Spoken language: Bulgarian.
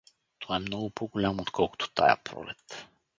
Той е много по-голям, отколкото тая пролет.